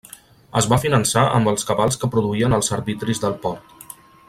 Es va finançar amb els cabals que produïen els arbitris del port.